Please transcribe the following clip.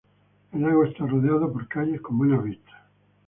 El lago está rodeado por calles con buenas vistas.